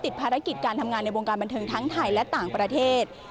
ภารกิจการทำงานในวงการบันเทิงทั้งไทยและต่างประเทศ